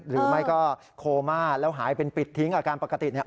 หรือไม่ก็โคม่าแล้วหายเป็นปิดทิ้งอาการปกติเนี่ย